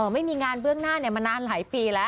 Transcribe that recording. ไม่มีงานเบื้องหน้ามานานหลายปีแล้ว